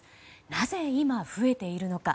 なぜ今、増えているのか。